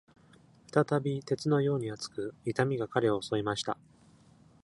再び、鉄のように熱く、痛みが彼を襲いました。